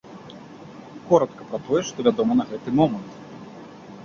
Коратка пра тое, што вядома на гэты момант.